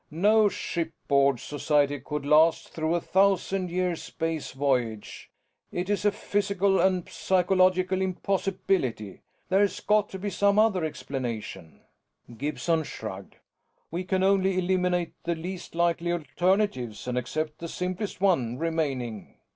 No shipboard society could last through a thousand year space voyage. It's a physical and psychological impossibility. There's got to be some other explanation." Gibson shrugged. "We can only eliminate the least likely alternatives and accept the simplest one remaining."